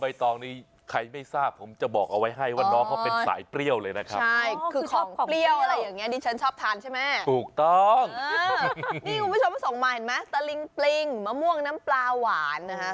คุณผู้ชมนี่คุณผู้ชมส่งมาเห็นไหมตะลิงปลิงมะม่วงน้ำปลาหวานนะฮะ